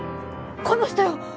この人よ！